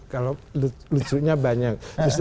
kalau lucunya banyak